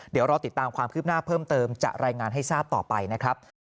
เดี๋ยวรอติดตามความคืบหน้าเพิ่มเติมจะรายงานให้ทราบต่อไปนะครับ